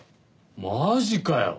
マジかよ！